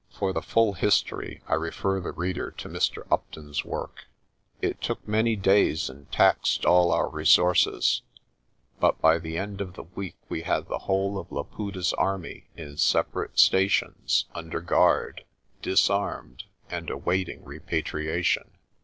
For the full history I refer the reader to Mr. Upton's work. It took many days and taxed all our resources, but 264 PRESTER JOHN by the end of the week we had the whole of Laputa's army in separate stations, under guard, disarmed, and awaiting repatriation.